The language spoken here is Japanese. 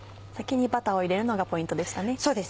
先にバターを入れるのがポイントでしたね。